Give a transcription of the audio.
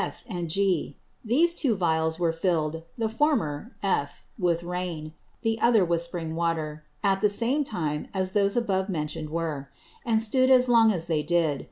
_ (F, G.) These Two Vials were fill'd, the former (F) with Rain, the other with Spring water, at the same time as those above mention'd were; and stood as long as they did.